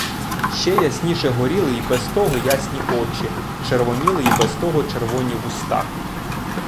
Ще ясніше горіли й без того ясні очі, червоніли й без того червоні вуста.